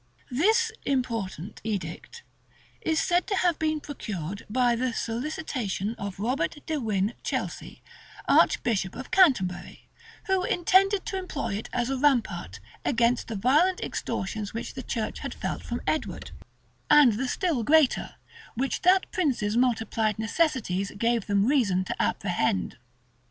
[*] This important edict is said to have been procured by the solicitation of Robert de Win chelsey, archbishop of Canterbury, who intended to employ it as a rampart against the violent extortions which the church had felt from Edward, and the still greater, which that prince's multiplied necessities gave them reason to apprehend.